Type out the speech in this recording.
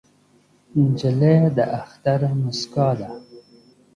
نجلۍ د اختر موسکا ده.